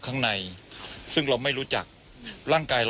คุณทัศนาควดทองเลยค่ะ